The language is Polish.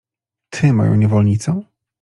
— Ty moją niewolnicą?